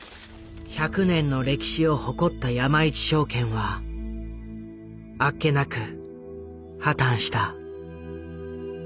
１００年の歴史を誇った山一証券はあっけなく破たんした。